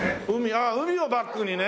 ああ海をバックにね。